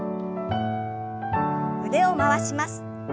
腕を回します。